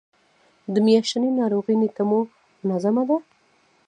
د میاشتنۍ ناروغۍ نیټه مو منظمه ده؟